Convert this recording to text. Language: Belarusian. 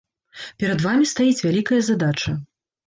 Перад вамі стаіць вялікая задача.